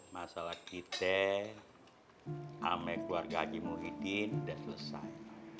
masalah kita sama keluarga aji muhyiddin udah selesai